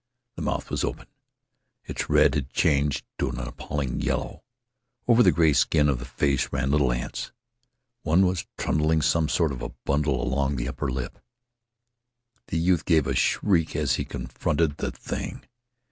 The mouth was open. Its red had changed to an appalling yellow. Over the gray skin of the face ran little ants. One was trundling some sort of a bundle along the upper lip. The youth gave a shriek as he confronted the thing.